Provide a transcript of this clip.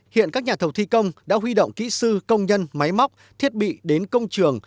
hiện các nhà thầu thi công đã huy động kỹ sư công nhân máy móc thiết bị đến công trường